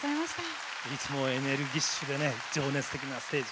いつもエネルギッシュで情熱的なステージ